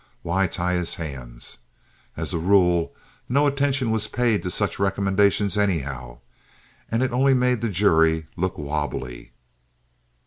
Why tie his hands? As a rule no attention was paid to such recommendations, anyhow, and it only made the jury look wabbly.